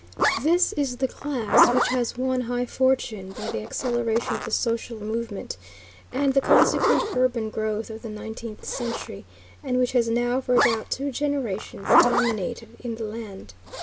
This is the class which has won high fortune by the acceleration of the social movement, and the consequent urban growth of the nineteenth century, and which has now for about two generations dominated in the land.